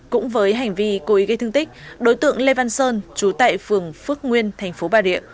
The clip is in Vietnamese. cũng với hành vi cố ý gây thương tích đối tượng lê văn sơn chú tệ phường phước nguyên tp bà rịa